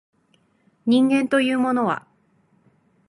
人間というものは